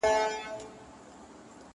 • بیګا خوب وینم پاچا یمه سلطان یم..